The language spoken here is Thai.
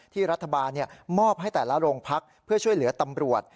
ที่รัฐบาลมอบให้แต่ละโรงพักเพื่อช่วยเหลือตำรวจ